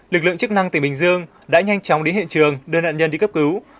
lực lượng chức năng tỉnh bình dương đã nhanh chóng đến hiện trường đưa nạn nhân đi cấp cứu